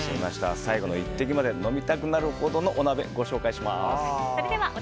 最後の一滴まで飲みたくなるほどのお鍋、ご紹介します。